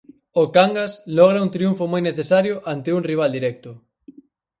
O Cangas logra un triunfo moi necesario ante un rival directo.